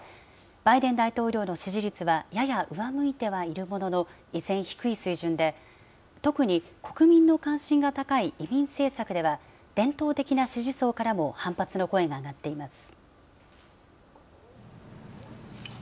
バイデン大統領の支持率はやや上向いてはいるものの、依然、低い水準で、特に国民の関心が高い移民政策では、伝統的な支持層からも反発の声が上がっています。